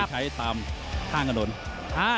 ติดตามยังน้อยกว่า